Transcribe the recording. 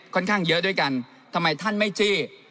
ค่อนข้างเยอะด้วยกันทำไมท่านไม่จี้